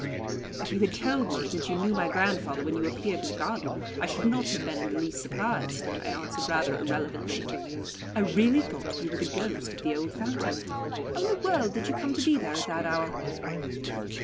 "If you had told me you knew my grandfather when you appeared in the garden, I should not have been in the least surprised," I answered rather irrelevantly. "I really thought you were the ghost of the old fountain. How in the world did you come there at that hour?"